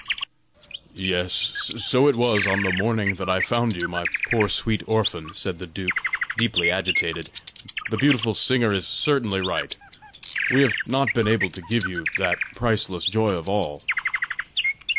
"Yes, so it was on the morning that I found you, my poor sweet orphan," said the duke, deeply agitated; "the beautiful singer is certainly right; we have not been able to give you that `priceless joy of all.'"